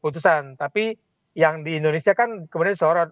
tapi yang di indonesia kan kemudian sorot